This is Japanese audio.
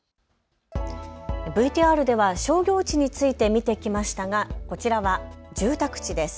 ＶＴＲでは商業地について見てきましたがこちらは住宅地です。